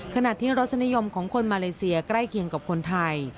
ขณะที่รสนิยมของคนมาเลเซียใกล้เคียงกับคนไทย